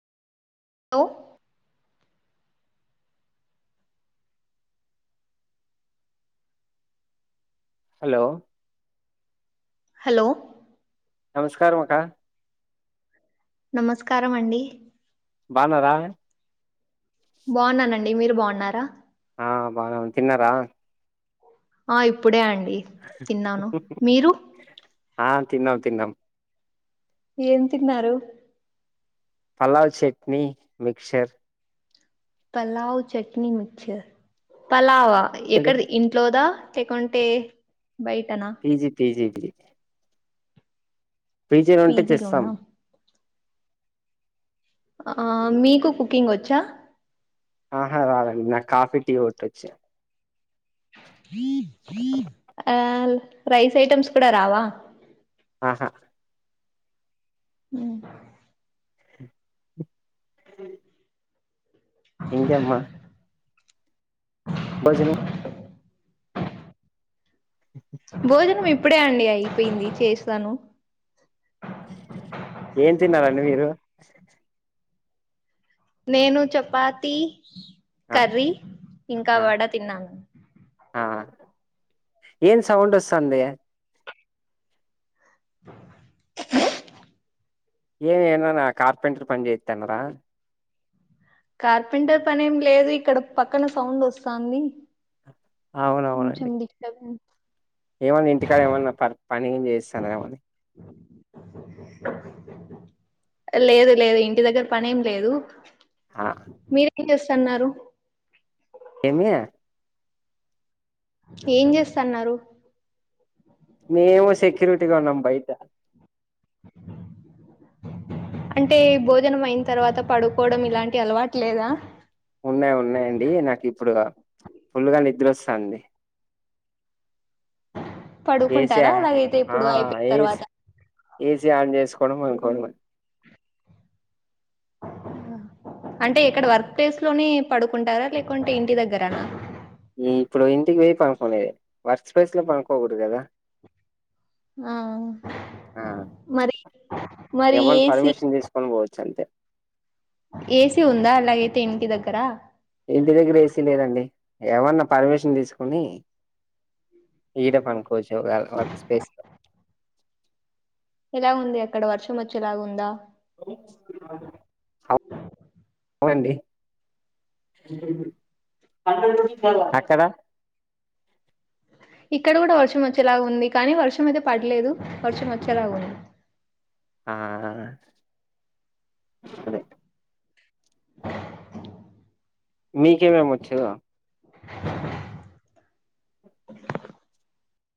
Hello. Hello. Hello. నమస్కారము అక్క. నమస్కారమండి. బానరా. బాన్నానండి, మీరు బాన్నారా. ఆ బాగనే ఉన్న తిన్నారా. ఆ ఇప్పుడే, అండి, తిన్నాను, మీరు. ఆ తిన్నాం, తిన్నాం. ఏం తిన్నారు. పలావ్, చట్నీ, మిక్షర్. పలావ్, చట్నీ, మిచ్చర్, పలావా, ఎ ఎక్కడిది, ఇంట్లోదా. అంటే కొంటే. పీజీ టేజీ. పీచేలుంటే తెస్తాం. పీజీలోనా ఆ మీకు కుకింగ్ ఓచ్చా. ఆహా రాదండి నాక్ కాఫీ టీ ఓ టోచ్చు. ఆ రైస్ ఐటమ్స్ కూడా రావా. ఆహా. ఉమ్. అ ఇంకే అమ్మా. బజను. భోజనం ఇప్పుడే అండి అయిపోయింది చేసాను ఏం తిన్నారండి మీరు నేను చపాతి ఆ కర్రీ ఇంకా ఆ వడ తిన్నాను ఆ ఏమ్ సౌండ్ వస్తంది ఏమ్ ఏనోనా కార్పెంటర్ పనీ చేతనరా కార్పెంటర్ పనేం లేదు ఇక్కడ పక్కన సౌండ్ వస్తాంది కొంచెం అవునవునండి డిస్టబెన్స్ ఏమన్నా ఇంటికాడ ఏమన్నా ప పని చేస్తాను మని లేదు లేదు ఇంటి దగ్గర పని ఏం లేదు ఆ మీరేం చేస్తన్నారు ఏమి ఏం చేస్తన్నారు మే మేమో సెక్యూరిటీ గా ఉన్నాం బయట హ అంటే భోజనం అయిన తర్వాత పడుకోవడం ఇలాంటి అలవాటు లేదా ఫుల్లుగా నిద్ర వస్తాంది ఏసి పడుకుంటారా అలాగైతే ఆ ఇప్పుడు అయిపోయిన ఏసి తర్వాత ఏసీ ఆన్ చేసుకోవడం పడుకోవ డమే అంటే ఎక్కడ వర్క్ ప్లేస్ లోనే పడుకుంటారా లేకుంటే ఇంటి దగ్గరనా ఉం ఇప్పుడు ఇంటికి పోయి పనుకునేది వర్క్ స్పేస్ పండుకోకుడదు కదా ఆ ఆ మరి మరి ఏమన్నా ఏసి పర్మిషన్ తీసుకొని పోవచ్చు అంతే ఏసి ఉందా లైట్ ఇంటి దగ్గర ఎవన్నా పర్మిషన్ తీసుకుని ఈడ పండు కోవచ్చు వర్క్ స్పేస్ లా ఎలా ఉంది అక్కడ వర్షం వచ్చే లాగుందా అవునండీ అక్కడ ఇక్కడ కూడా వర్షం వచ్చేలాగా ఉంది కానీ వర్షం అయితే పడలేదు వర్షం వచ్చేలాగా ఉంది ఆ ఆ సరే [inaudible] మీకు ఏమేమి వచ్చు [inaudible] [inaudible]